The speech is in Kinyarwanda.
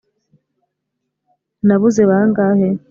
nabuze bangahe